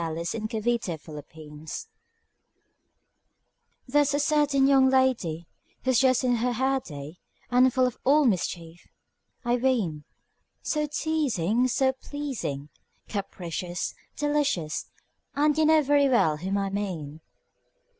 Y Z A Certain Young Lady THERE'S a certain young lady, Who's just in her heyday, And full of all mischief, I ween; So teasing! so pleasing! Capricious! delicious! And you know very well whom I mean.